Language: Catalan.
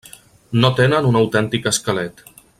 No tenen un autèntic esquelet.